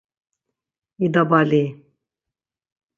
İdabali!